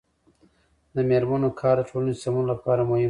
د میرمنو کار د ټولنې سمون لپاره مهم دی.